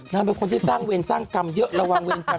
เป็นคนที่สร้างเวรสร้างกรรมเยอะระวังเวรกรรม